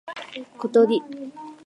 ことり